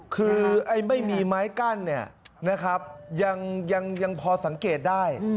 คือไม่มีไม้กั้นยังพอสังเกตได้